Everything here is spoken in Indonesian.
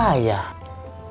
kamu yang harusnya tau diri